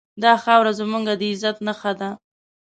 دا خاوره زموږ د عزت نښه ده.